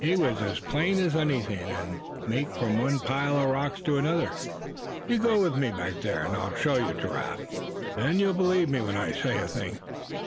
"He was as plain as anything; and makin' from one pile of rocks to another. You go with me back there, and I'll show you, Giraffe. Then you'll believe me when I say a thing."